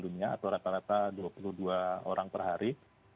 dunia atau rata rata dua puluh dua orang per hari